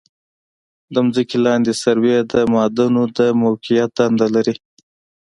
د ځمکې لاندې سروې د معادنو د موقعیت دنده لري